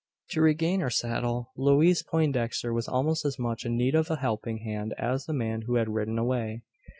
To regain her saddle, Louise Poindexter was almost as much in need of a helping hand as the man who had ridden away.